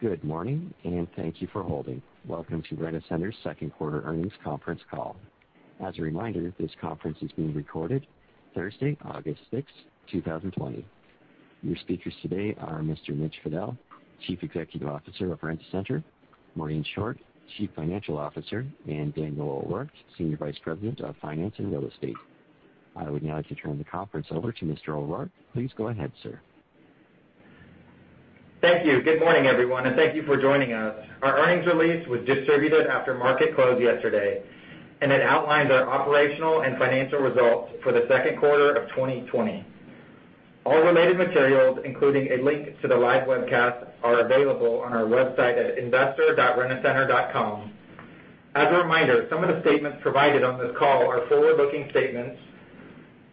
Good morning, and thank you for holding. Welcome to Rent-A-Center's second quarter earnings conference call. As a reminder, this conference is being recorded Thursday, August 6, 2020. Your speakers today are Mr. Mitch Fadel, Chief Executive Officer of Rent-A-Center, Maureen Short, Chief Financial Officer, and Daniel O'Rourke, Senior Vice President of Finance and Real Estate. I would now like to turn the conference over to Mr. O'Rourke. Please go ahead, sir. Thank you. Good morning, everyone, and thank you for joining us. Our earnings release was distributed after market close yesterday, and it outlines our operational and financial results for the second quarter of 2020. All related materials, including a link to the live webcast, are available on our website at investor.rentacenter.com. As a reminder, some of the statements provided on this call are forward-looking statements,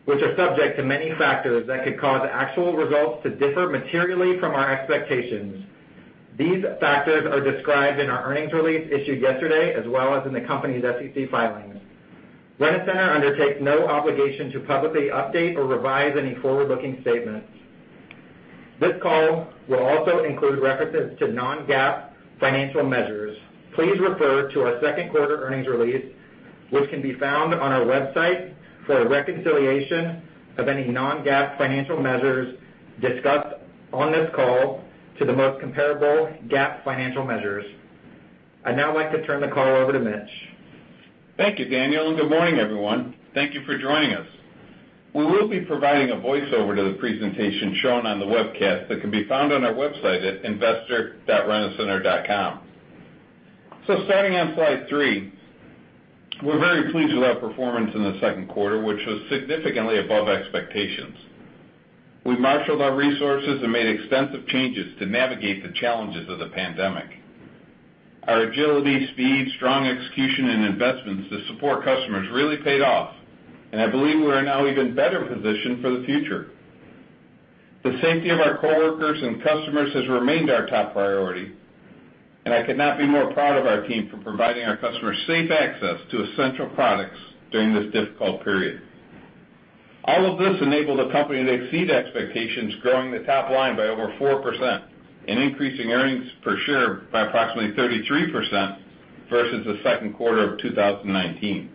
which are subject to many factors that could cause actual results to differ materially from our expectations. These factors are described in our earnings release issued yesterday as well as in the company's SEC filings. Rent-A-Center undertakes no obligation to publicly update or revise any forward-looking statements. This call will also include references to non-GAAP financial measures. Please refer to our second quarter earnings release, which can be found on our website, for a reconciliation of any non-GAAP financial measures discussed on this call to the most comparable GAAP financial measures. I'd now like to turn the call over to Mitch. Thank you, Daniel. Good morning, everyone. Thank you for joining us. We will be providing a voiceover to the presentation shown on the webcast that can be found on our website at investor.rentacenter.com. Starting on slide three, we're very pleased with our performance in the second quarter, which was significantly above expectations. We marshaled our resources and made extensive changes to navigate the challenges of the pandemic. Our agility, speed, strong execution, and investments to support customers really paid off, and I believe we're now even better positioned for the future. The safety of our coworkers and customers has remained our top priority, and I could not be more proud of our team for providing our customers safe access to essential products during this difficult period. All of this enabled the company to exceed expectations, growing the top line by over 4% and increasing earnings per share by approximately 33% versus the second quarter of 2019.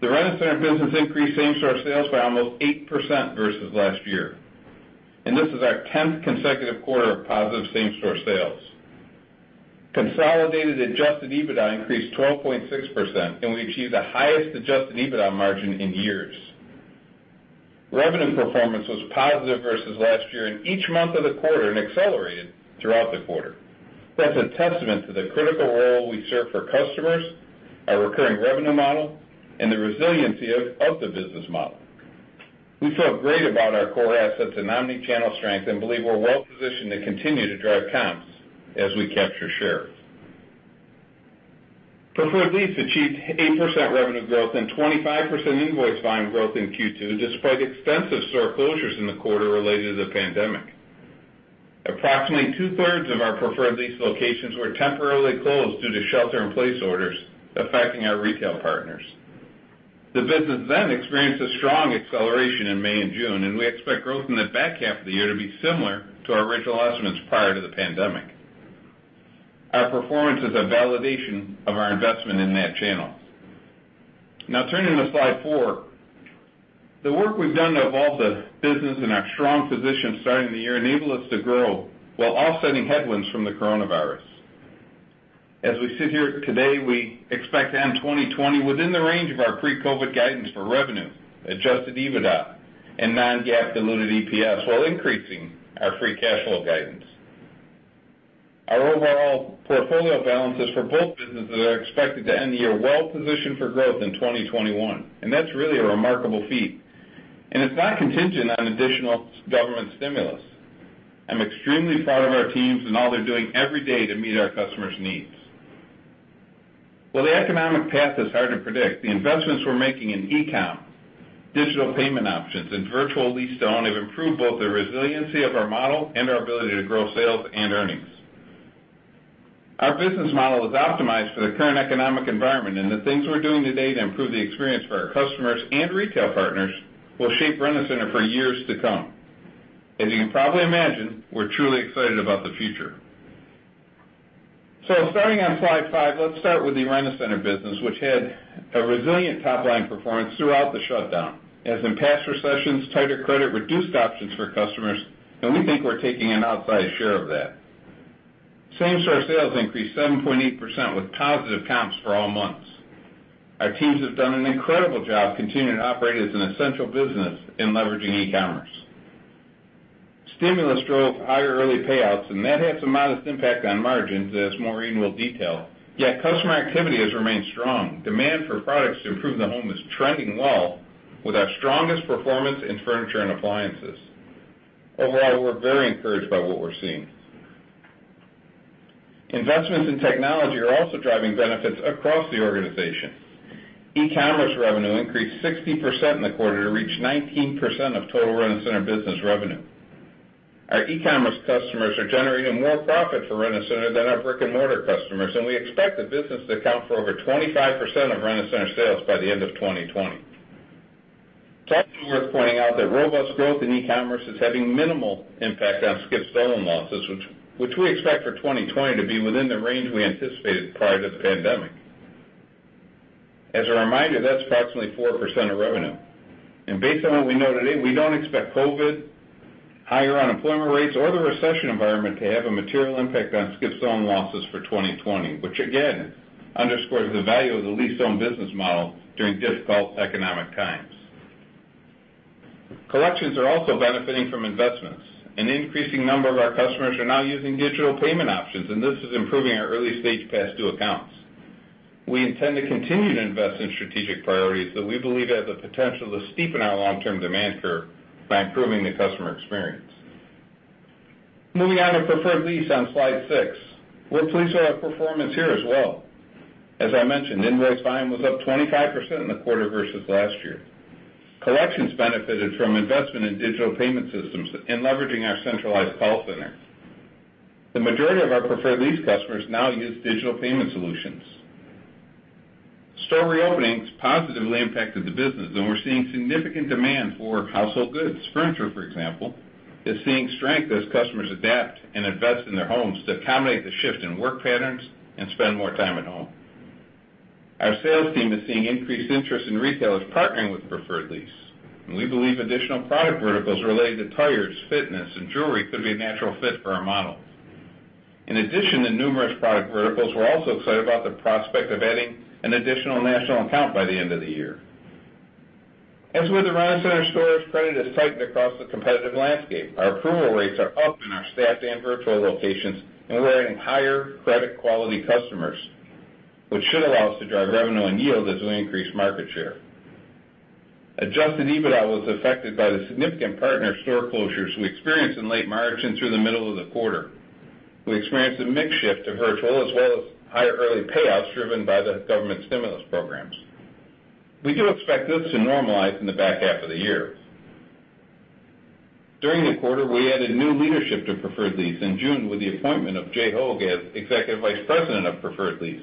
The Rent-A-Center business increased same-store sales by almost 8% versus last year, and this is our 10th consecutive quarter of positive same-store sales. Consolidated adjusted EBITDA increased 12.6%, and we achieved the highest adjusted EBITDA margin in years. Revenue performance was positive versus last year in each month of the quarter and accelerated throughout the quarter. That's a testament to the critical role we serve for customers, our recurring revenue model, and the resiliency of the business model. We feel great about our core assets and omnichannel strength and believe we're well positioned to continue to drive comps as we capture share. Preferred Lease achieved 8% revenue growth and 25% invoice volume growth in Q2 despite extensive store closures in the quarter related to the pandemic. Approximately 2/3 of our Preferred Lease locations were temporarily closed due to shelter in place orders affecting our retail partners. The business experienced a strong acceleration in May and June, and we expect growth in the back half of the year to be similar to our original estimates prior to the pandemic. Our performance is a validation of our investment in that channel. Turning to slide four. The work we've done to evolve the business and our strong position starting the year enable us to grow while offsetting headwinds from the coronavirus. As we sit here today, we expect to end 2020 within the range of our pre-COVID guidance for revenue, adjusted EBITDA, and non-GAAP diluted EPS, while increasing our free cash flow guidance. Our overall portfolio balances for both businesses are expected to end the year well positioned for growth in 2021. That's really a remarkable feat. It's not contingent on additional government stimulus. I'm extremely proud of our teams and all they're doing every day to meet our customers' needs. While the economic path is hard to predict, the investments we're making in e-commerce, digital payment options, and virtual lease to own have improved both the resiliency of our model and our ability to grow sales and earnings. Our business model is optimized for the current economic environment. The things we're doing today to improve the experience for our customers and retail partners will shape Rent-A-Center for years to come. As you can probably imagine, we're truly excited about the future. Starting on slide five, let's start with the Rent-A-Center business, which had a resilient top-line performance throughout the shutdown. As in past recessions, tighter credit reduced options for customers, and we think we're taking an outsized share of that. Same-store sales increased 7.8% with positive comps for all months. Our teams have done an incredible job continuing to operate as an essential business in leveraging e-commerce. Stimulus drove higher early payouts, and that had some modest impact on margins, as Maureen will detail, yet customer activity has remained strong. Demand for products to improve the home is trending well with our strongest performance in furniture and appliances. Overall, we're very encouraged by what we're seeing. Investments in technology are also driving benefits across the organization. E-commerce revenue increased 60% in the quarter to reach 19% of total Rent-A-Center business revenue. Our e-commerce customers are generating more profit for Rent-A-Center than our brick-and-mortar customers, and we expect the business to account for over 25% of Rent-A-Center sales by the end of 2020. It's also worth pointing out that robust growth in e-commerce is having minimal impact on skip/stolen losses, which we expect for 2020 to be within the range we anticipated prior to the pandemic. As a reminder, that's approximately 4% of revenue. Based on what we know today, we don't expect COVID, higher unemployment rates, or the recession environment to have a material impact on skip/stolen losses for 2020, which again, underscores the value of the lease-to-own business model during difficult economic times. Collections are also benefiting from investments. An increasing number of our customers are now using digital payment options, and this is improving our early-stage past due accounts. We intend to continue to invest in strategic priorities that we believe have the potential to steepen our long-term demand curve by improving the customer experience. Moving on to Preferred Lease on slide six. We're pleased with our performance here as well. As I mentioned, invoice volume was up 25% in the quarter versus last year. Collections benefited from investment in digital payment systems in leveraging our centralized call center. The majority of our Preferred Lease customers now use digital payment solutions. Store reopening has positively impacted the business, and we're seeing significant demand for household goods. Furniture, for example, is seeing strength as customers adapt and invest in their homes to accommodate the shift in work patterns and spend more time at home. Our sales team is seeing increased interest in retailers partnering with Preferred Lease, and we believe additional product verticals related to tires, fitness, and jewelry could be a natural fit for our model. In addition to numerous product verticals, we're also excited about the prospect of adding an additional national account by the end of the year. As with the Rent-A-Center stores, credit has tightened across the competitive landscape. Our approval rates are up in our staffed and virtual locations, and we're adding higher credit quality customers, which should allow us to drive revenue and yield as we increase market share. Adjusted EBITDA was affected by the significant partner store closures we experienced in late March and through the middle of the quarter. We experienced a mix shift to virtual, as well as higher early payouts driven by the government stimulus programs. We do expect this to normalize in the back half of the year. During the quarter, we added new leadership to Preferred Lease in June with the appointment of Jay Hogg as Executive Vice President of Preferred Lease.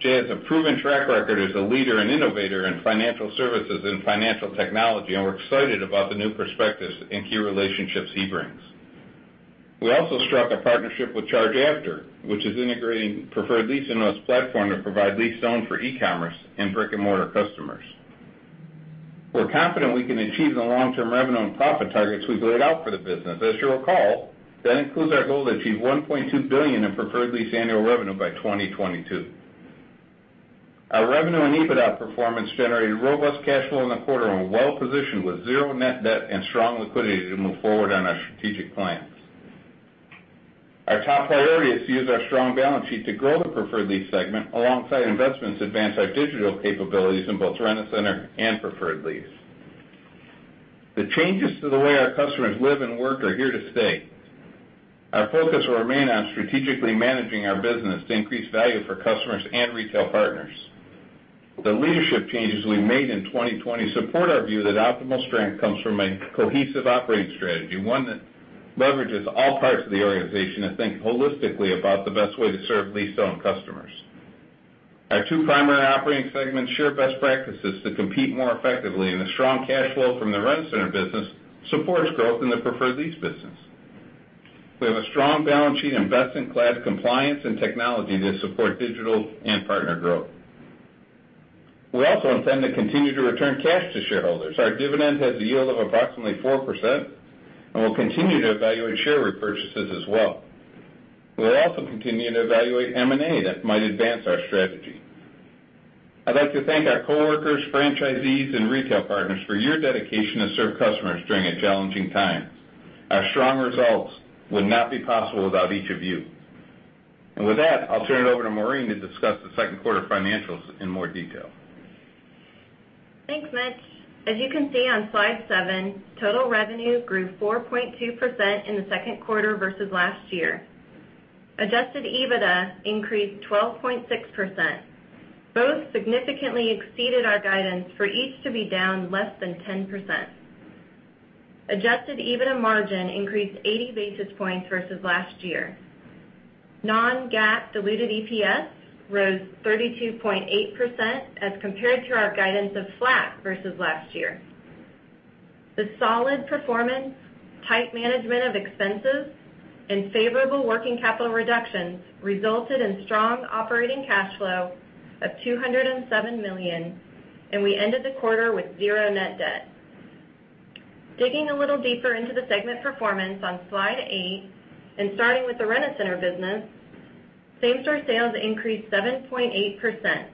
Jay has a proven track record as a leader and innovator in financial services and financial technology, and we're excited about the new perspectives and key relationships he brings. We also struck a partnership with ChargeAfter, which is integrating Preferred Lease into its platform to provide lease-to-own for e-commerce and brick-and-mortar customers. We're confident we can achieve the long-term revenue and profit targets we've laid out for the business. As you'll recall, that includes our goal to achieve $1.2 billion in Preferred Lease annual revenue by 2022. Our revenue and EBITDA performance generated robust cash flow in the quarter and well-positioned with zero net debt and strong liquidity to move forward on our strategic plans. Our top priority is to use our strong balance sheet to grow the Preferred Lease segment alongside investments to advance our digital capabilities in both Rent-A-Center and Preferred Lease. The changes to the way our customers live and work are here to stay. Our focus will remain on strategically managing our business to increase value for customers and retail partners. The leadership changes we made in 2020 support our view that optimal strength comes from a cohesive operating strategy, one that leverages all parts of the organization to think holistically about the best way to serve lease-to-own customers. Our two primary operating segments share best practices to compete more effectively. The strong cash flow from the Rent-A-Center business supports growth in the Preferred Lease business. We have a strong balance sheet best-in-class compliance and technology that support digital and partner growth. We also intend to continue to return cash to shareholders. Our dividend has a yield of approximately 4%. We'll continue to evaluate share repurchases as well. We'll also continue to evaluate M&A that might advance our strategy. I'd like to thank our coworkers, franchisees, and retail partners for your dedication to serve customers during a challenging time. Our strong results would not be possible without each of you. With that, I'll turn it over to Maureen to discuss the second quarter financials in more detail. Thanks, Mitch. As you can see on slide seven, total revenue grew 4.2% in the second quarter versus last year. Adjusted EBITDA increased 12.6%. Both significantly exceeded our guidance for each to be down less than 10%. Adjusted EBITDA margin increased 80 basis points versus last year. Non-GAAP diluted EPS rose 32.8% as compared to our guidance of flat versus last year. The solid performance, tight management of expenses, and favorable working capital reductions resulted in strong operating cash flow of $207 million, and we ended the quarter with zero net debt. Digging a little deeper into the segment performance on slide eight and starting with the Rent-A-Center business, same-store sales increased 7.8%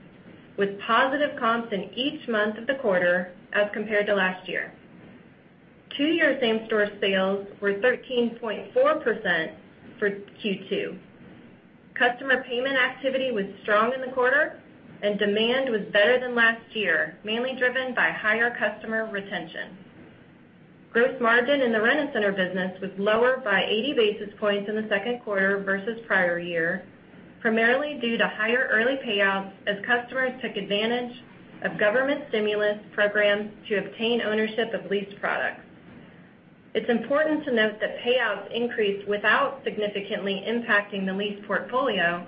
with positive comps in each month of the quarter as compared to last year. Two-year same-store sales were 13.4% for Q2. Customer payment activity was strong in the quarter, and demand was better than last year, mainly driven by higher customer retention. Gross margin in the Rent-A-Center business was lower by 80 basis points in the second quarter versus prior year, primarily due to higher early payouts as customers took advantage of government stimulus programs to obtain ownership of leased products. It's important to note that payouts increased without significantly impacting the lease portfolio,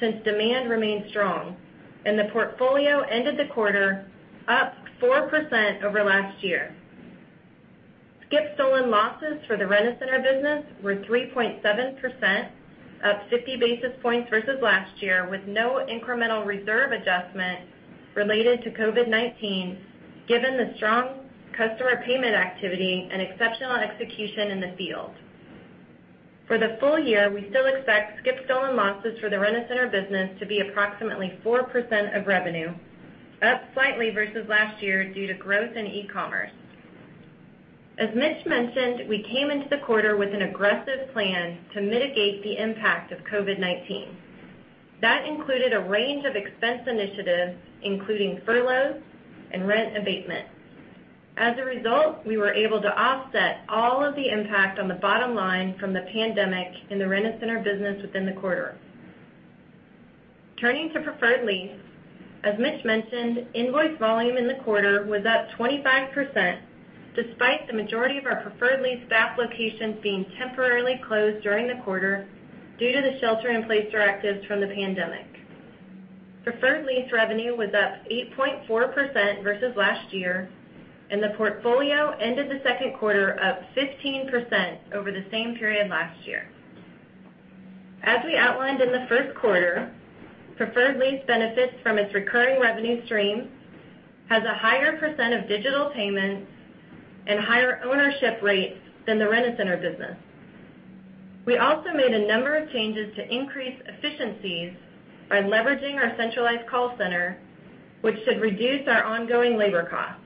since demand remained strong and the portfolio ended the quarter up 4% over last year. Skip stolen losses for the Rent-A-Center business were 3.7%, up 50 basis points versus last year, with no incremental reserve adjustment related to COVID-19, given the strong customer payment activity and exceptional execution in the field. For the full year, we still expect skip/stolen losses for the Rent-A-Center business to be approximately 4% of revenue, up slightly versus last year due to growth in e-commerce. As Mitch mentioned, we came into the quarter with an aggressive plan to mitigate the impact of COVID-19. That included a range of expense initiatives, including furloughs and rent abatement. As a result, we were able to offset all of the impact on the bottom line from the pandemic in the Rent-A-Center business within the quarter. Turning to Preferred Lease, as Mitch mentioned, invoice volume in the quarter was up 25%, despite the majority of our Preferred Lease staff locations being temporarily closed during the quarter due to the shelter in place directives from the pandemic. Preferred Lease revenue was up 8.4% versus last year, and the portfolio ended the second quarter up 15% over the same period last year. As we outlined in the first quarter, Preferred Lease benefits from its recurring revenue stream, has a higher percent of digital payments, and higher ownership rates than the Rent-A-Center business. We also made a number of changes to increase efficiencies by leveraging our centralized call center, which should reduce our ongoing labor costs.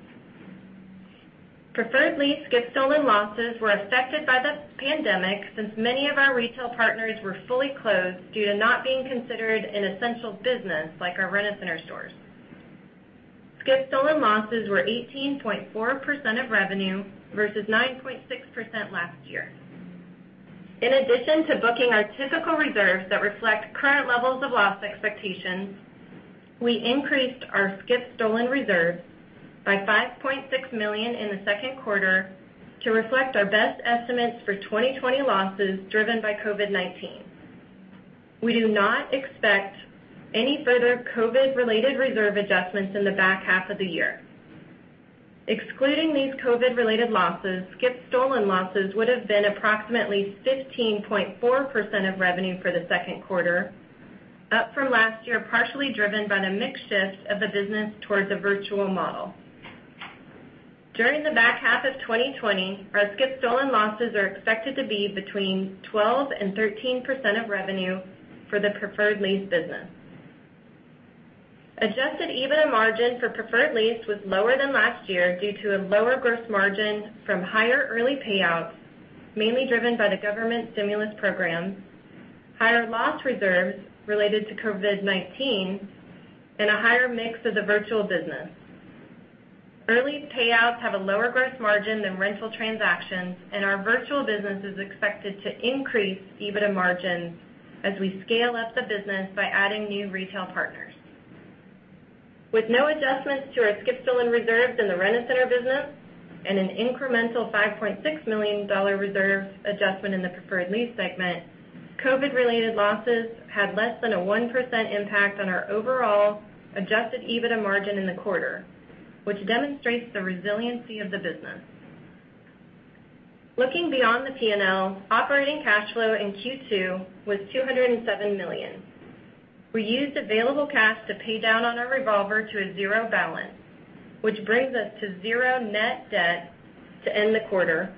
Preferred Lease skip stolen losses were affected by the pandemic, since many of our retail partners were fully closed due to not being considered an essential business like our Rent-A-Center stores. Skip stolen losses were 18.4% of revenue versus 9.6% last year. In addition to booking our typical reserves that reflect current levels of loss expectations, we increased our skip stolen reserves by $5.6 million in the second quarter to reflect our best estimates for 2020 losses driven by COVID-19. We do not expect any further COVID-related reserve adjustments in the back half of the year. Excluding these COVID-related losses, skip stolen losses would've been approximately 15.4% of revenue for the second quarter, up from last year, partially driven by the mix shift of the business towards a virtual model. During the back half of 2020, our skip stolen losses are expected to be between 12% and 13% of revenue for the Preferred Lease business. Adjusted EBITDA margin for Preferred Lease was lower than last year due to a lower gross margin from higher early payouts, mainly driven by the government stimulus programs, higher loss reserves related to COVID-19, and a higher mix of the virtual business. Early payouts have a lower gross margin than rental transactions, and our virtual business is expected to increase EBITDA margins as we scale up the business by adding new retail partners. With no adjustments to our skip/stolen reserves in the Rent-A-Center business and an incremental $5.6 million reserve adjustment in the Preferred Lease segment, COVID-related losses had less than a 1% impact on our overall adjusted EBITDA margin in the quarter, which demonstrates the resiliency of the business. Looking beyond the P&L, operating cash flow in Q2 was $207 million. We used available cash to pay down on our revolver to a zero balance, which brings us to zero net debt to end the quarter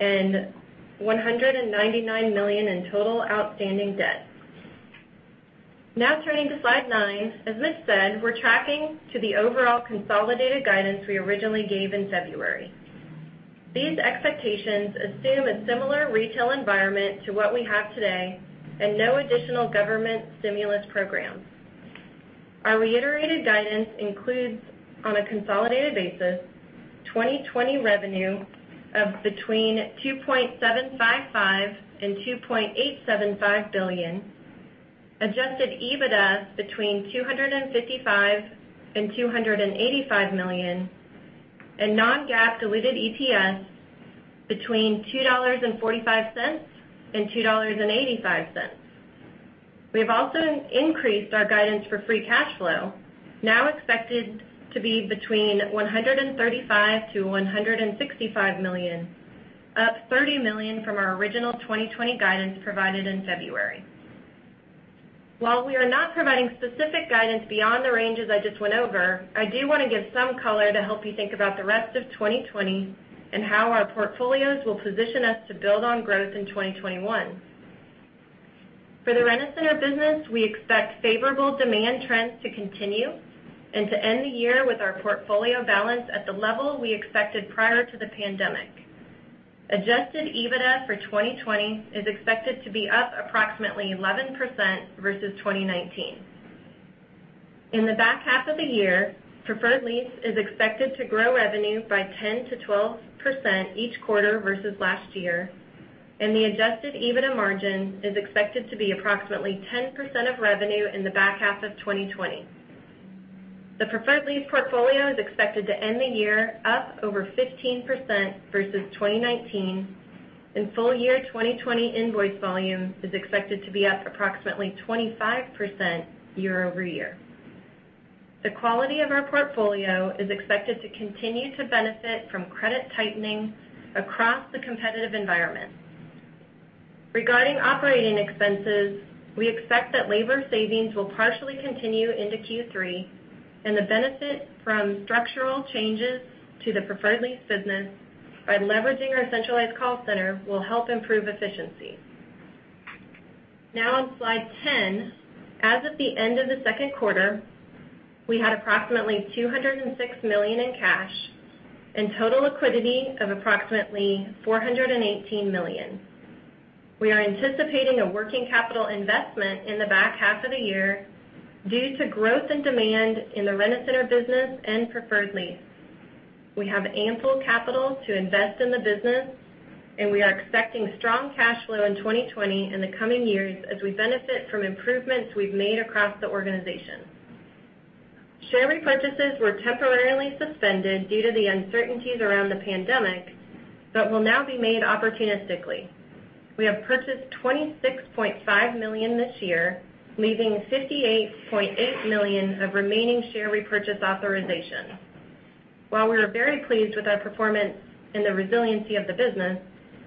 and $199 million in total outstanding debt. Turning to slide nine, as Mitch said, we're tracking to the overall consolidated guidance we originally gave in February. These expectations assume a similar retail environment to what we have today and no additional government stimulus programs. Our reiterated guidance includes, on a consolidated basis, 2020 revenue of between $2.755 billion and $2.875 billion, adjusted EBITDA between $255 million and $285 million, and non-GAAP diluted EPS between $2.45 and $2.85. We have also increased our guidance for free cash flow, now expected to be between $135 million to $165 million, up $30 million from our original 2020 guidance provided in February. While we are not providing specific guidance beyond the ranges I just went over, I do want to give some color to help you think about the rest of 2020 and how our portfolios will position us to build on growth in 2021. For the Rent-A-Center business, we expect favorable demand trends to continue and to end the year with our portfolio balance at the level we expected prior to the pandemic. Adjusted EBITDA for 2020 is expected to be up approximately 11% versus 2019. In the back half of the year, Preferred Lease is expected to grow revenue by 10% to 12% each quarter versus last year, and the adjusted EBITDA margin is expected to be approximately 10% of revenue in the back half of 2020. The Preferred Lease portfolio is expected to end the year up over 15% versus 2019, and full year 2020 invoice volume is expected to be up approximately 25% year over year. The quality of our portfolio is expected to continue to benefit from credit tightening across the competitive environment. Regarding operating expenses, we expect that labor savings will partially continue into Q3, and the benefit from structural changes to the Preferred Lease business by leveraging our centralized call center will help improve efficiency. Now, on slide 10, as of the end of the second quarter, we had approximately $206 million in cash and total liquidity of approximately $418 million. We are anticipating a working capital investment in the back half of the year due to growth and demand in the Rent-A-Center business and Preferred Lease. We have ample capital to invest in the business, and we are expecting strong cash flow in 2020 in the coming years as we benefit from improvements we've made across the organization. Share repurchases were temporarily suspended due to the uncertainties around the pandemic, but will now be made opportunistically. We have purchased $26.5 million this year, leaving $58.8 million of remaining share repurchase authorization. While we are very pleased with our performance and the resiliency of the business,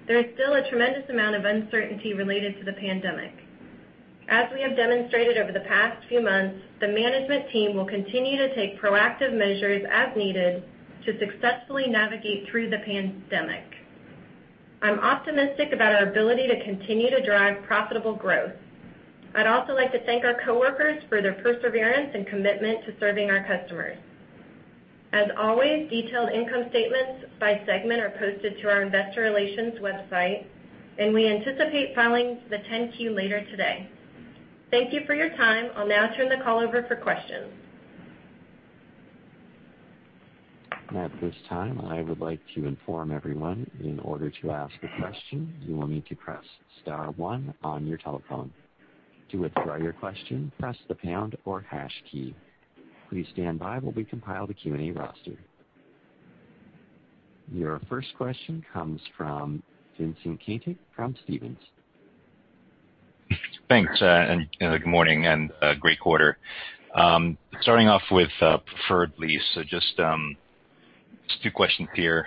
there is still a tremendous amount of uncertainty related to the pandemic. As we have demonstrated over the past few months, the management team will continue to take proactive measures as needed to successfully navigate through the pandemic. I'm optimistic about our ability to continue to drive profitable growth. I'd also like to thank our coworkers for their perseverance and commitment to serving our customers. As always, detailed income statements by segment are posted to our investor relations website, and we anticipate filing the 10-Q later today. Thank you for your time. I'll now turn the call over for questions. Your first question comes from Vincent Caintic from Stephens. Thanks, and good morning, and great quarter. Starting off with Preferred Lease. Just two questions here.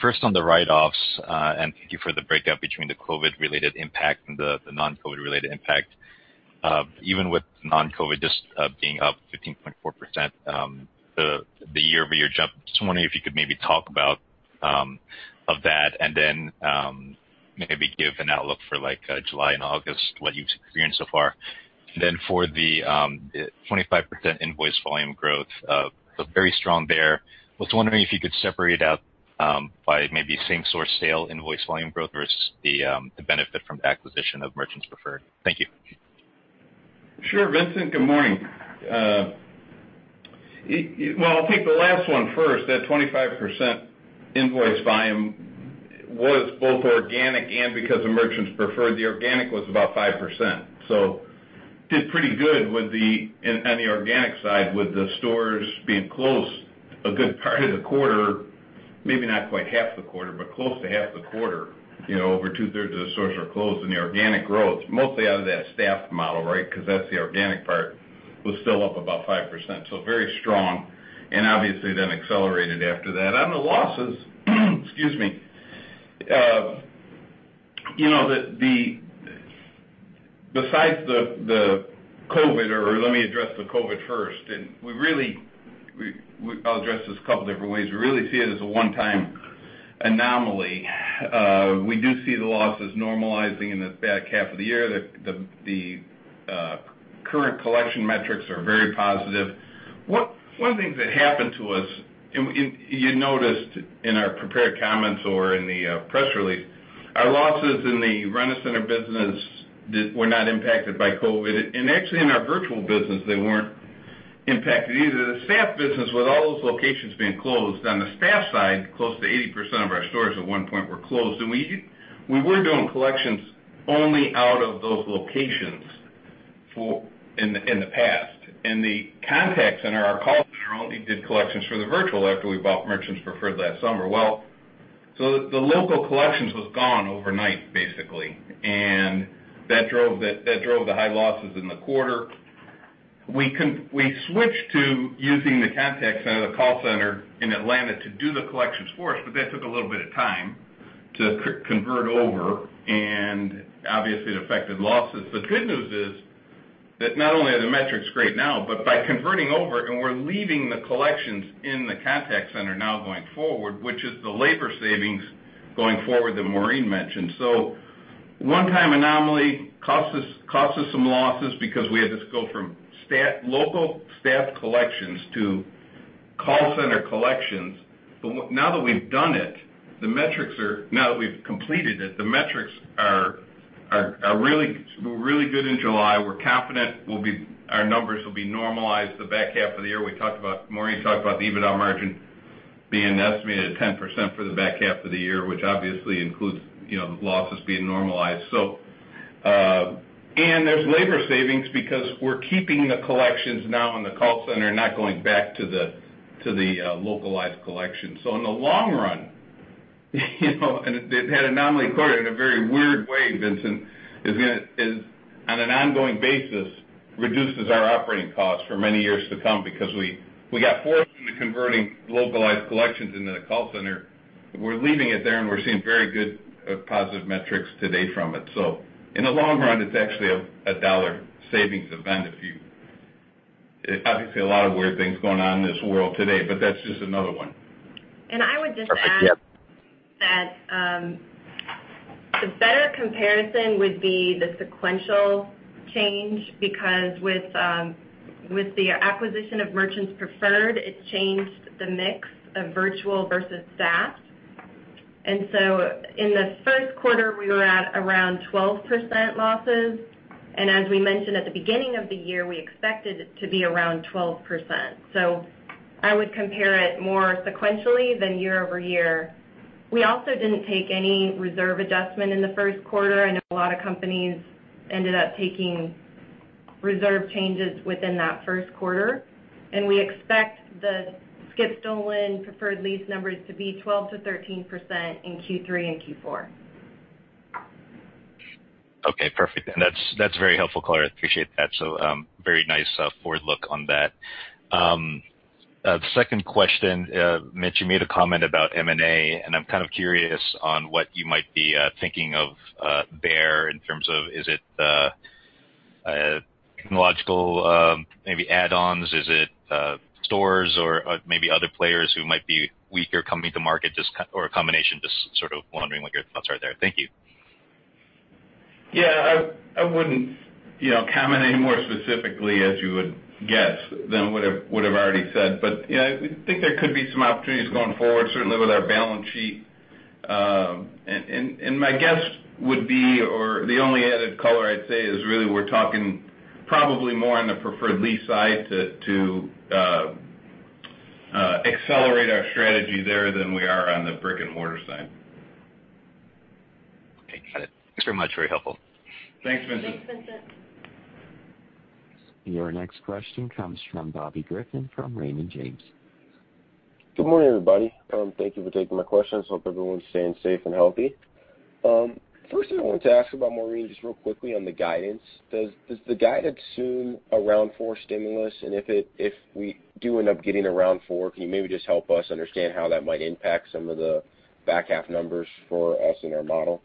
First on the write-offs, and thank you for the breakup between the COVID-related impact and the non-COVID-related impact. Even with non-COVID just being up 15.4%, the year-over-year jump, just wondering if you could maybe talk about that and then maybe give an outlook for July and August, what you've experienced so far. For the 25% invoice volume growth, looked very strong there. I was wondering if you could separate out by maybe same-source sale invoice volume growth versus the benefit from the acquisition of Merchants Preferred. Thank you. Sure, Vincent. Good morning. Well, I'll take the last one first. That 25% invoice volume was both organic and because of Merchants Preferred. The organic was about 5%. Did pretty good on the organic side with the stores being closed a good part of the quarter, maybe not quite half the quarter, but close to half the quarter. Over two-thirds of the stores were closed, the organic growth, mostly out of that staffed model, because that's the organic part, was still up about 5%. Very strong, and obviously then accelerated after that. On the losses, besides the COVID, or let me address the COVID first, and I'll address this a couple different ways. We really see it as a one-time anomaly. We do see the losses normalizing in the back half of the year. The current collection metrics are very positive. One of the things that happened to us, and you noticed in our prepared comments or in the press release, our losses in the Rent-A-Center business were not impacted by COVID. Actually, in our virtual business, they weren't impacted either. The staffed business, with all those locations being closed, on the staffed side, close to 80% of our stores at one point were closed, and we were doing collections only out of those locations in the past. The contact center, our call center, only did collections for the virtual after we bought Merchants Preferred last summer. Well, the local collections was gone overnight, basically, and that drove the high losses in the quarter. We switched to using the contact center, the call center in Atlanta, to do the collections for us, but that took a little bit of time to convert over, and obviously, it affected losses. The good news is that not only are the metrics great now, but by converting over, and we're leaving the collections in the contact center now going forward, which is the labor savings going forward that Maureen mentioned. One-time anomaly cost us some losses because we had to go from local staffed collections to call center collections. Now that we've completed it, the metrics were really good in July. We're confident our numbers will be normalized the back half of the year. Maureen talked about the EBITDA margin being estimated at 10% for the back half of the year, which obviously includes losses being normalized. There's labor savings because we're keeping the collections now in the call center, not going back to the localized collection. In the long run, and it had an anomaly quarter in a very weird way, Vincent, is on an ongoing basis, reduces our operating costs for many years to come because we got forced into converting localized collections into the call center. We're leaving it there, and we're seeing very good positive metrics to date from it. In the long run, it's actually a dollar savings event. Obviously, a lot of weird things going on in this world today, but that's just another one. I would just add that the better comparison would be the sequential change, because with the acquisition of Merchants Preferred, it changed the mix of virtual versus staffed. In the first quarter, we were at around 12% losses. As we mentioned at the beginning of the year, we expected it to be around 12%. I would compare it more sequentially than year-over-year. We also didn't take any reserve adjustment in the first quarter. I know a lot of companies ended up taking reserve changes within that first quarter. We expect the skip/stolen Preferred Lease numbers to be 12%-13% in Q3 and Q4. Okay, perfect. That's very helpful, Maureen. I appreciate that. Very nice forward look on that. The second question, Mitch, you made a comment about M&A, and I'm kind of curious on what you might be thinking of there in terms of, is it technological, maybe add-ons? Is it stores or maybe other players who might be weaker coming to market, or a combination? Just sort of wondering what your thoughts are there. Thank you. Yeah, I wouldn't comment any more specifically as you would guess than what I've already said. I think there could be some opportunities going forward, certainly with our balance sheet. My guess would be, or the only added color I'd say is really we're talking probably more on the Preferred Lease side to accelerate our strategy there than we are on the brick-and-mortar side. Okay, got it. Thanks very much. Very helpful. Thanks, Vincent. Thanks, Vincent. Your next question comes from Bobby Griffin from Raymond James. Good morning, everybody. Thank you for taking my questions. Hope everyone's staying safe and healthy. First thing I wanted to ask about, Maureen, just real quickly on the guidance. Does the guidance assume a round four stimulus? If we do end up getting a round four, can you maybe just help us understand how that might impact some of the back half numbers for us in our model?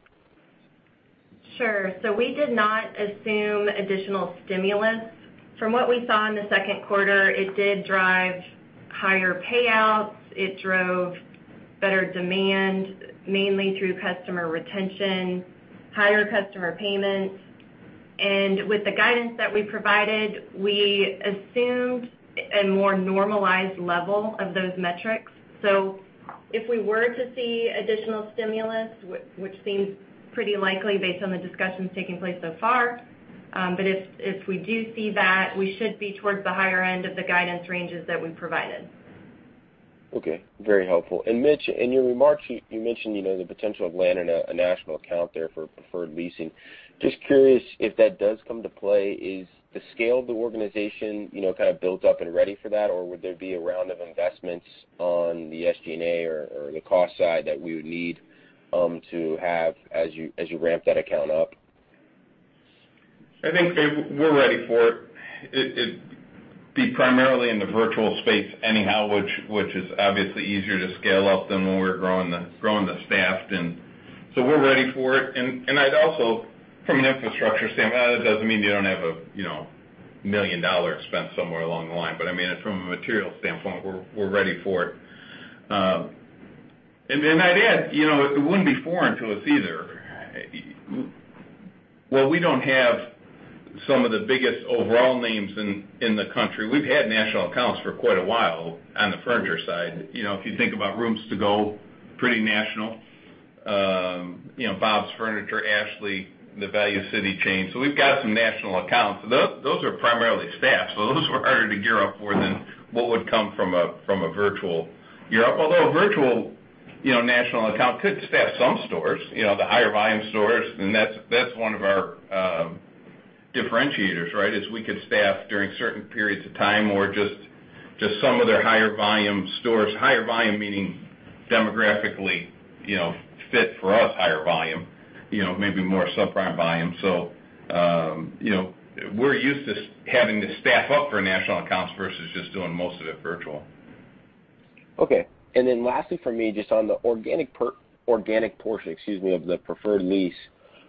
Sure. We did not assume additional stimulus. From what we saw in the second quarter, it did drive higher payouts. It drove better demand, mainly through customer retention, higher customer payments. With the guidance that we provided, we assumed a more normalized level of those metrics. If we were to see additional stimulus, which seems pretty likely based on the discussions taking place so far, but if we do see that, we should be towards the higher end of the guidance ranges that we provided. Okay. Very helpful. Mitch, in your remarks, you mentioned the potential of landing a national account there for Preferred Lease. Just curious if that does come to play, is the scale of the organization kind of built up and ready for that, or would there be a round of investments on the SG&A or the cost side that we would need to have as you ramp that account up? I think we're ready for it. It'd be primarily in the virtual space anyhow, which is obviously easier to scale up than when we're growing the staffed in. We're ready for it. Also, from an infrastructure standpoint, it doesn't mean you don't have a $1 million expense somewhere along the line. From a material standpoint, we're ready for it. I'd add, it wouldn't be foreign to us either. While we don't have some of the biggest overall names in the country, we've had national accounts for quite a while on the furniture side. If you think about Rooms To Go, pretty national. Bob's Furniture, Ashley, the Value City chain. We've got some national accounts. Those are primarily staffed, so those were harder to gear up for than what would come from a virtual. Although a virtual national account could staff some stores, the higher volume stores, and that's one of our differentiators, is we could staff during certain periods of time or just some of their higher volume stores. Higher volume meaning demographically fit for us higher volume, maybe more subprime volume. We're used to having to staff up for national accounts versus just doing most of it virtual. Okay. Lastly from me, just on the organic portion of the Preferred Lease.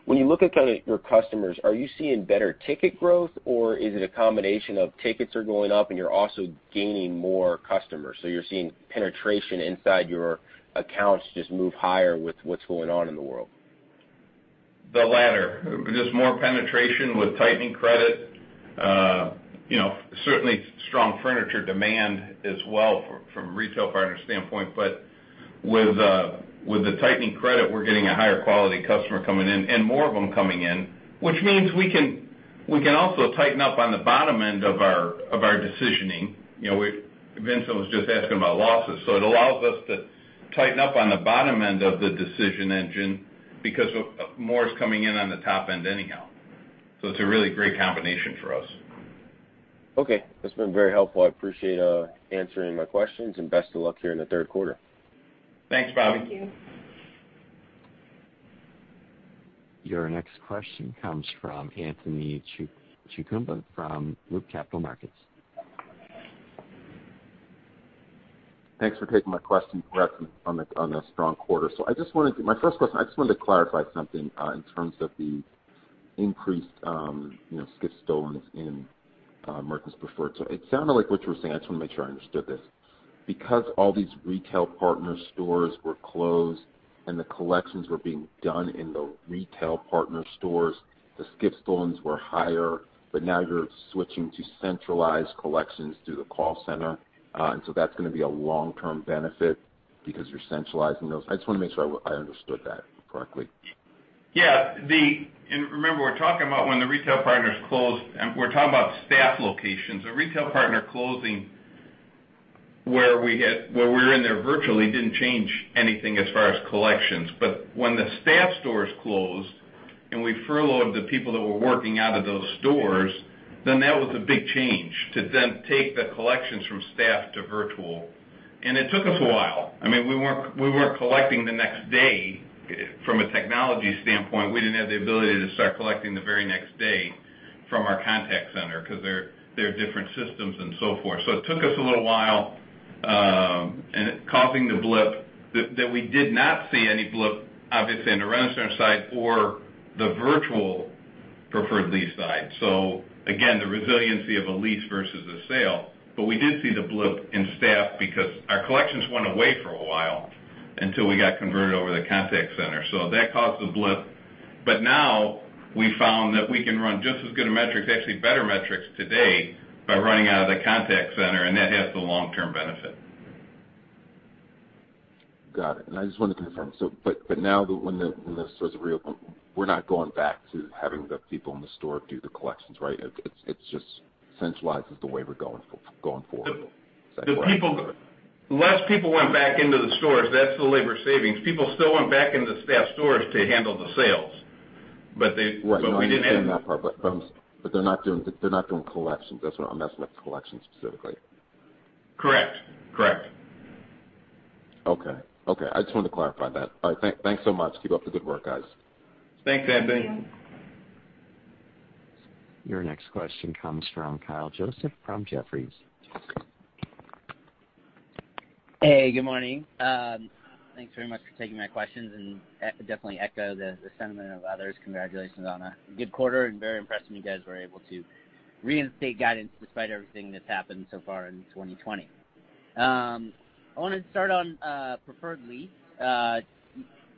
When you look at kind of your customers, are you seeing better ticket growth, or is it a combination of tickets are going up and you're also gaining more customers? You're seeing penetration inside your accounts just move higher with what's going on in the world? The latter. Just more penetration with tightening credit. Certainly strong furniture demand as well from retail partner standpoint. With the tightening credit, we're getting a higher quality customer coming in and more of them coming in, which means we can also tighten up on the bottom end of our decisioning. Vincent was just asking about losses. It allows us to tighten up on the bottom end of the decision engine because more is coming in on the top end anyhow. It's a really great combination for us. Okay. That's been very helpful. I appreciate answering my questions, and best of luck here in the third quarter. Thanks, Bobby. Thank you. Your next question comes from Anthony Chukumba from Loop Capital Markets. Thanks for taking my question, congrats on the strong quarter. My first question, I just wanted to clarify something in terms of the increased skip/stolen in Merchants Preferred. It sounded like what you were saying, I just want to make sure I understood this, because all these retail partner stores were closed, and the collections were being done in the retail partner stores, the skip/stolen were higher, but now you're switching to centralized collections through the call center. That's going to be a long-term benefit because you're centralizing those. I just want to make sure I understood that correctly. Yeah. Remember, we're talking about when the retail partners closed, and we're talking about staff locations. A retail partner closing where we're in there virtually didn't change anything as far as collections. When the staff stores closed and we furloughed the people that were working out of those stores, then that was a big change to then take the collections from staff to virtual. It took us a while. We weren't collecting the next day. From a technology standpoint, we didn't have the ability to start collecting the very next day from our contact center because they're different systems and so forth. It took us a little while, and it causing the blip that we did not see any blip, obviously, on the Rent-A-Center side or the virtual Preferred Lease side. Again, the resiliency of a lease versus a sale. We did see the blip in staff because our collections went away for a while until we got converted over to the contact center. That caused the blip. Now we found that we can run just as good a metrics, actually better metrics today, by running out of the contact center, and that has the long-term benefit. Got it. I just wanted to confirm. Now when the stores reopen, we're not going back to having the people in the store do the collections, right? It just centralizes the way we're going forward. Is that correct? Less people went back into the stores. That's the labor savings. People still went back into staff stores to handle the sales. Right. No, I understand that part, but they're not doing collections. I'm asking about the collections specifically. Correct. Okay. I just wanted to clarify that. All right, thanks so much. Keep up the good work, guys. Thanks, Anthony. Thank you. Your next question comes from Kyle Joseph from Jefferies. Hey, good morning. Thanks very much for taking my questions. Definitely echo the sentiment of others. Congratulations on a good quarter. Very impressed that you guys were able to reinstate guidance despite everything that's happened so far in 2020. I want to start on Preferred Lease.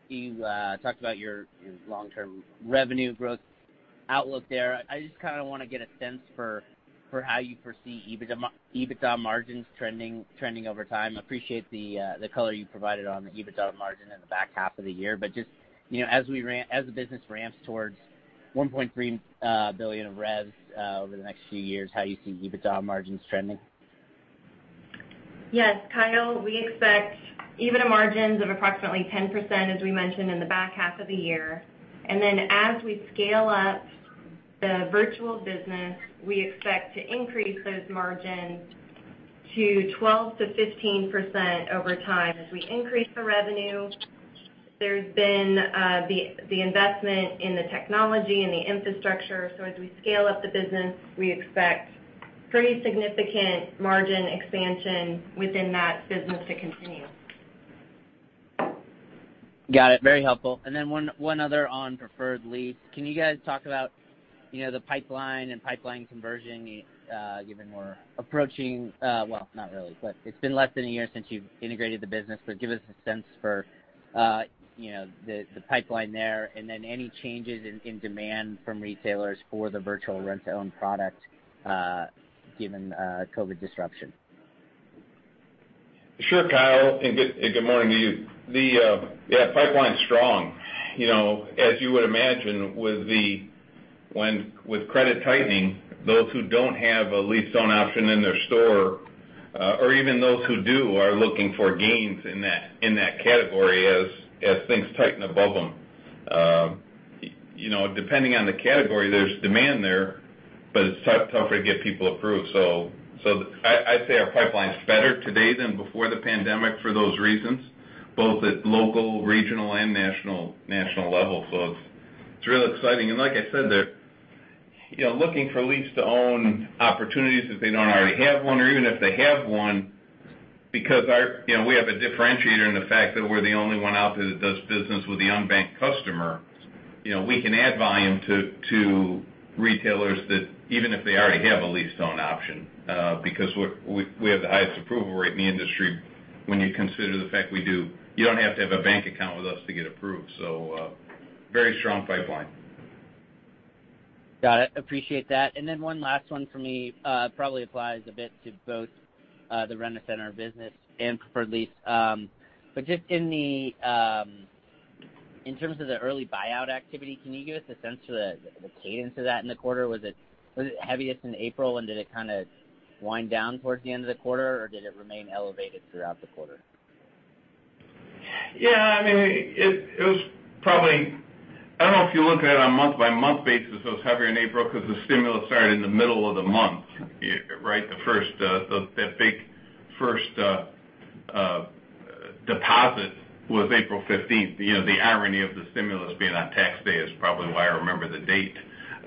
You talked about your long-term revenue growth outlook there. I just kind of want to get a sense for how you foresee EBITDA margins trending over time. Appreciate the color you provided on the EBITDA margin in the back half of the year. Just as the business ramps towards $1.3 billion of revs over the next few years, how you see EBITDA margins trending. Yes, Kyle, we expect EBITDA margins of approximately 10%, as we mentioned, in the back half of the year. As we scale up the virtual business, we expect to increase those margins to 12%-15% over time. As we increase the revenue, there's been the investment in the technology and the infrastructure. As we scale up the business, we expect pretty significant margin expansion within that business to continue. Got it. Very helpful. Then one other on Preferred Lease. Can you guys talk about the pipeline and pipeline conversion, given we're approaching Well, not really, but it's been less than a year since you've integrated the business, but give us a sense for the pipeline there and then any changes in demand from retailers for the virtual rent-to-own product given COVID disruption. Sure, Kyle, and good morning to you. Yeah, pipeline's strong. As you would imagine with credit tightening, those who don't have a lease-to-own option in their store or even those who do are looking for gains in that category as things tighten above them. Depending on the category, there's demand there, but it's tougher to get people approved. I'd say our pipeline's better today than before the pandemic for those reasons, both at local, regional, and national levels. It's really exciting. Like I said, they're looking for lease-to-own opportunities if they don't already have one or even if they have one, because we have a differentiator in the fact that we're the only one out there that does business with the unbanked customer. We can add volume to retailers even if they already have a lease-to-own option because we have the highest approval rate in the industry when you consider the fact you don't have to have a bank account with us to get approved. Very strong pipeline. Got it. Appreciate that. Then one last one for me, probably applies a bit to both the Rent-A-Center business and Preferred Lease. Just in terms of the early buyout activity, can you give us a sense to the cadence of that in the quarter? Was it heaviest in April, and did it kind of wind down towards the end of the quarter, or did it remain elevated throughout the quarter? Yeah. I don't know if you look at it on a month-by-month basis, it was heavier in April because the stimulus started in the middle of the month. The big first deposit was April 15th. The irony of the stimulus being on Tax Day is probably why I remember the date.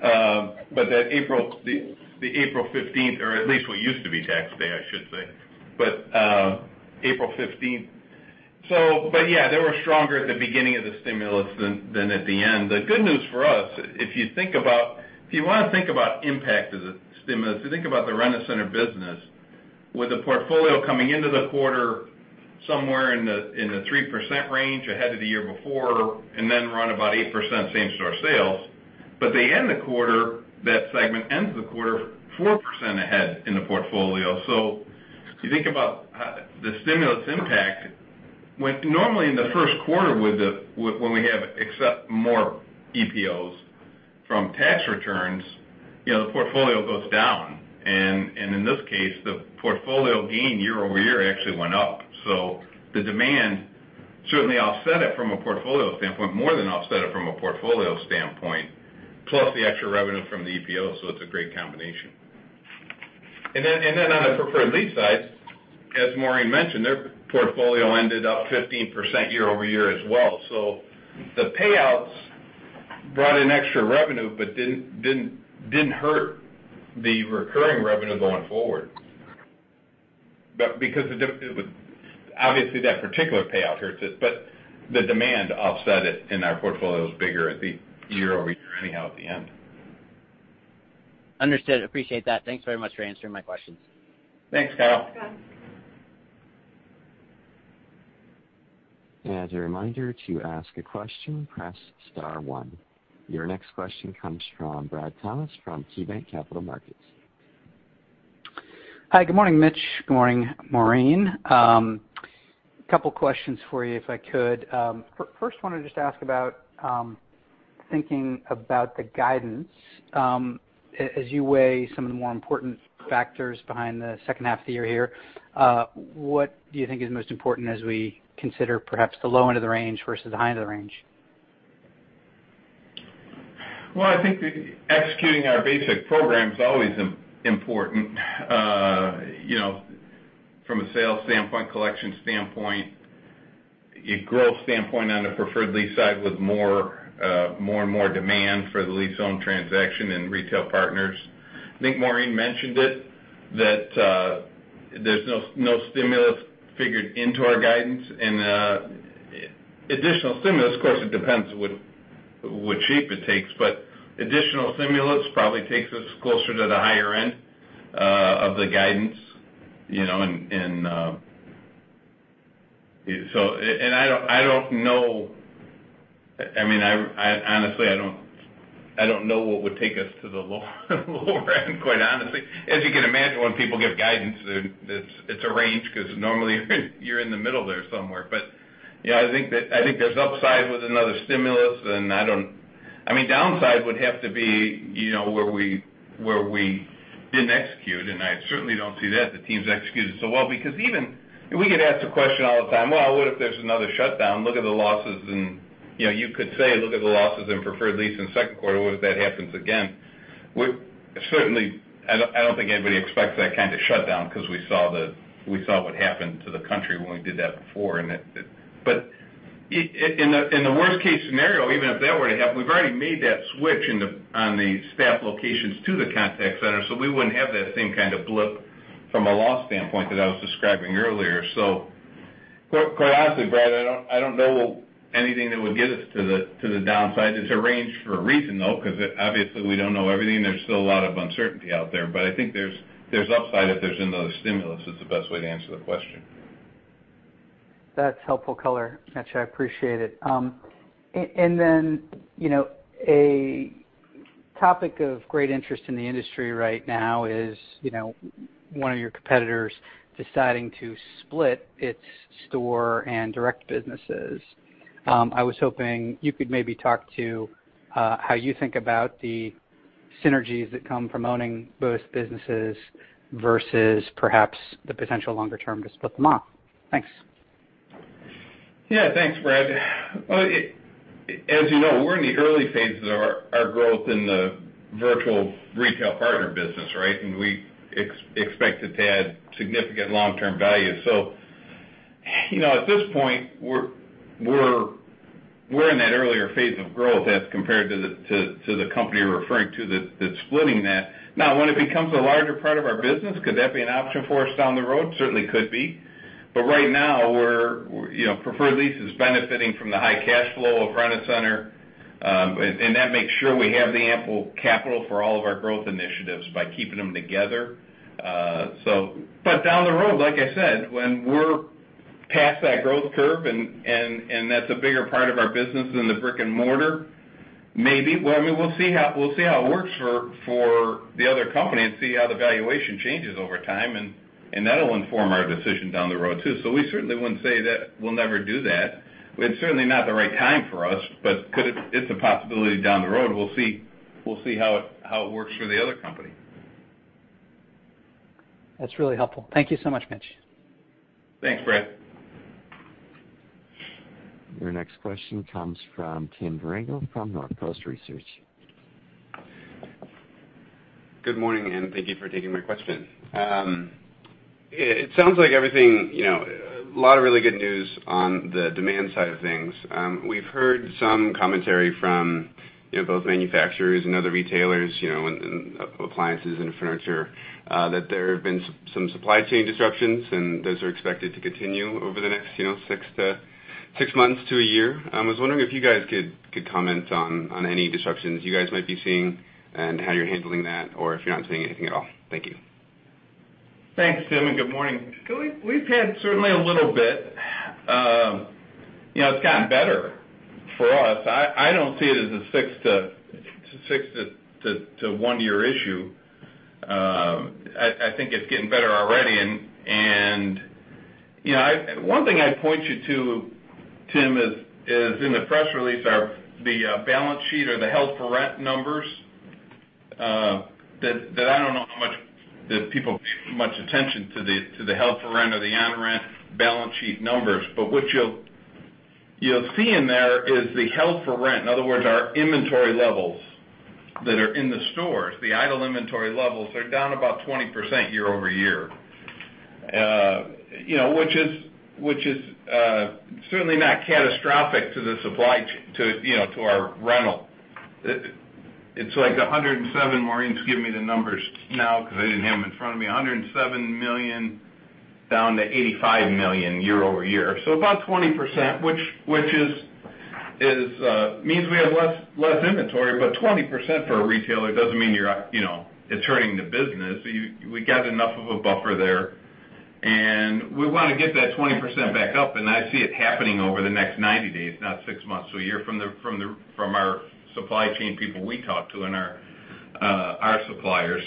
That April 15th, or at least what used to be Tax Day, I should say, April 15th. Yeah, they were stronger at the beginning of the stimulus than at the end. The good news for us, if you want to think about impact of the stimulus, if you think about the Rent-A-Center business, with the portfolio coming into the quarter somewhere in the 3% range ahead of the year before and then run about 8% same-store sales, that segment ends the quarter 4% ahead in the portfolio. You think about the stimulus impact, when normally in the first quarter when we have accept more EPOs from tax returns, the portfolio goes down. In this case, the portfolio gain year-over-year actually went up. The demand certainly offset it from a portfolio standpoint, more than offset it from a portfolio standpoint, plus the extra revenue from the EPO, so it's a great combination. On the Preferred Lease side, as Maureen mentioned, their portfolio ended up 15% year-over-year as well. The payouts brought in extra revenue but didn't hurt the recurring revenue going forward. Because obviously that particular payout hurts it, but the demand offset it, and our portfolio was bigger at the year-over-year anyhow at the end. Understood. Appreciate that. Thanks very much for answering my questions. Thanks, Kyle. Thanks, Kyle. As a reminder, to ask a question, press star one. Your next question comes from Brad Thomas from KeyBanc Capital Markets. Hi, good morning, Mitch. Good morning, Maureen. Couple questions for you if I could. First, wanted to just ask about thinking about the guidance. As you weigh some of the more important factors behind the second half of the year here, what do you think is most important as we consider perhaps the low end of the range versus the high end of the range? Well, I think that executing our basic program is always important. From a sales standpoint, collection standpoint, growth standpoint on the Preferred Lease side, with more and more demand for the lease-owned transaction and retail partners. I think Maureen mentioned it, that there's no stimulus figured into our guidance and additional stimulus, of course, it depends what shape it takes, but additional stimulus probably takes us closer to the higher end of the guidance. I don't know what would take us to the lower end, quite honestly. As you can imagine, when people give guidance, it's a range because normally you're in the middle there somewhere. Yeah, I think there's upside with another stimulus. Downside would have to be where we didn't execute, and I certainly don't see that. The team's executed so well. We get asked the question all the time, "Well, what if there's another shutdown? You could say, look at the losses in Preferred Lease in the second quarter. What if that happens again? Certainly, I don't think anybody expects that kind of shutdown because we saw what happened to the country when we did that before. In the worst-case scenario, even if that were to happen, we've already made that switch on the staff locations to the contact center, so we wouldn't have that same kind of blip from a loss standpoint that I was describing earlier. Quite honestly, Brad, I don't know anything that would get us to the downside. It's a range for a reason, though, because obviously, we don't know everything. There's still a lot of uncertainty out there. I think there's upside if there's another stimulus, is the best way to answer the question. That's helpful color, Mitch. I appreciate it. A topic of great interest in the industry right now is one of your competitors deciding to split its store and direct businesses. I was hoping you could maybe talk to how you think about the synergies that come from owning both businesses versus perhaps the potential longer term to split them up. Thanks. Yeah. Thanks, Brad. As you know, we're in the early phases of our growth in the virtual retail partner business, right? We expect it to add significant long-term value. At this point, we're in that earlier phase of growth as compared to the company you're referring to that's splitting that. Now, when it becomes a larger part of our business, could that be an option for us down the road? Certainly could be. Right now, Preferred Lease is benefiting from the high cash flow of Rent-A-Center, and that makes sure we have the ample capital for all of our growth initiatives by keeping them together. Down the road, like I said, when we're past that growth curve and that's a bigger part of our business than the brick and mortar? Maybe. We'll see how it works for the other company and see how the valuation changes over time, and that'll inform our decision down the road, too. We certainly wouldn't say that we'll never do that. It's certainly not the right time for us, but it's a possibility down the road. We'll see how it works for the other company. That's really helpful. Thank you so much, Mitch. Thanks, Brad. Your next question comes from Tim Vierengel from Northcoast Research. Good morning. Thank you for taking my question. It sounds like everything, a lot of really good news on the demand side of things. We've heard some commentary from both manufacturers and other retailers, and appliances and furniture, that there have been some supply chain disruptions, and those are expected to continue over the next six months to a year. I was wondering if you guys could comment on any disruptions you guys might be seeing and how you're handling that, or if you're not seeing anything at all. Thank you. Thanks, Tim. Good morning. We've had certainly a little bit. It's gotten better for us. I don't see it as a six to one year issue. I think it's getting better already. One thing I'd point you to, Tim, is in the press release, the balance sheet or the held for rent numbers, that I don't know how much that people pay much attention to the held for rent or the on rent balance sheet numbers. What you'll see in there is the held for rent. In other words, our inventory levels that are in the stores, the idle inventory levels, are down about 20% year-over-year. Which is certainly not catastrophic to our rental. It's like $107. Maureen's giving me the numbers now because I didn't have them in front of me. $107 million, down to $85 million year-over-year. About 20%, which means we have less inventory, but 20% for a retailer doesn't mean it's hurting the business. We got enough of a buffer there, and we want to get that 20% back up, and I see it happening over the next 90 days, not six months to a year, from our supply chain people we talk to and our suppliers.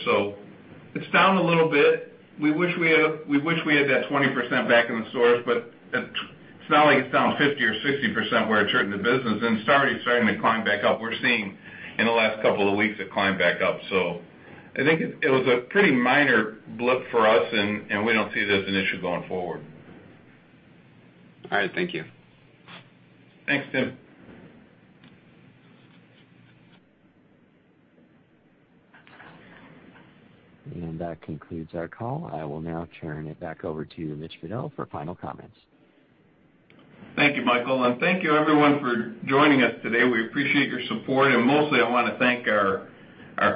It's down a little bit. We wish we had that 20% back in the stores, but it's not like it's down 50% or 60% where it's hurting the business, and it's already starting to climb back up. We're seeing in the last couple of weeks it climb back up. I think it was a pretty minor blip for us, and we don't see it as an issue going forward. All right. Thank you. Thanks, Tim. That concludes our call. I will now turn it back over to Mitch Fadel for final comments. Thank you, Michael, and thank you everyone for joining us today. We appreciate your support, and mostly I want to thank our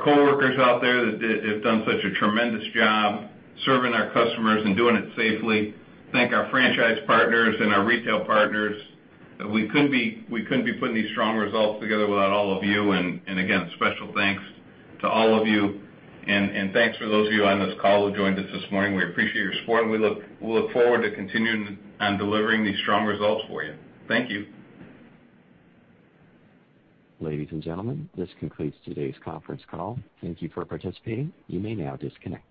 coworkers out there that have done such a tremendous job serving our customers and doing it safely. Thank our franchise partners and our retail partners. We couldn't be putting these strong results together without all of you. Again, special thanks to all of you, and thanks for those of you on this call who joined us this morning. We appreciate your support, and we look forward to continuing on delivering these strong results for you. Thank you. Ladies and gentlemen, this concludes today's conference call. Thank you for participating. You may now disconnect.